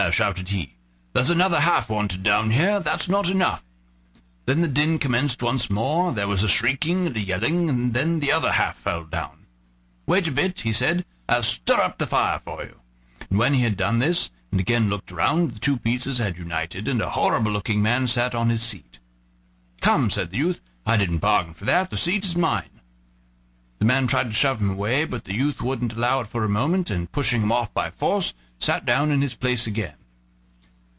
shouted he; "there's another half wanted down here, that's not enough"; then the din commenced once more, there was a shrieking and a yelling, and then the other half fell down. "Wait a bit," he said; "I'll stir up the fire for you." When he had done this and again looked around, the two pieces had united, and a horrible looking man sat on his seat. "Come," said the youth, "I didn't bargain for that, the seat is mine." The man tried to shove him away, but the youth wouldn't allow it for a moment, and, pushing him off by force, sat down in his place again.